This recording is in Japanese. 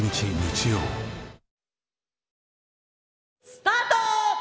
スタート！